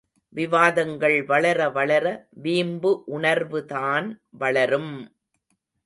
விவாதங்கள் வளர வளர வீம்பு உணர்வுதான் வளரும்!